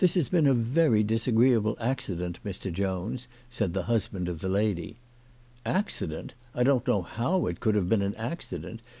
241 "This lias been a very disagreeable accident, Mr. Jones," said the husband of the lady. " Accident ! I don't know how it could have been an accident.